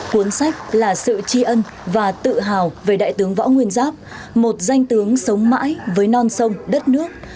cuốn sách là sự tri ân và tự hào về đại tướng võ nguyên giáp một danh tướng sống mãi với non sông đất nước